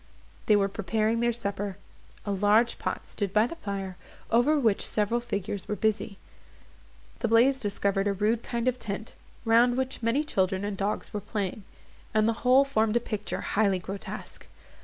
They were preparing their supper; a large pot stood by the fire, over which several figures were busy. The blaze discovered a rude kind of tent, round which many children and dogs were playing, and the whole formed a picture highly grotesque.